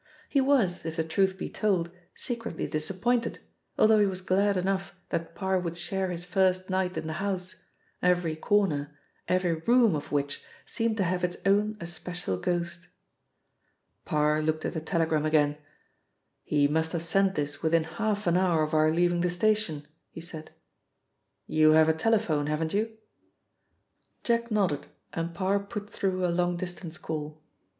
He was, if the truth be told, secretly disappointed, although he was glad enough that Parr would share his first night in the house, every corner, every room of which, seemed to have its own especial ghost. Parr looked at the telegram again. "He must have sent this within half an hour of our leaving the station," he said. "You have a telephone, haven't you?" Jack nodded, and Parr put through a long distance call.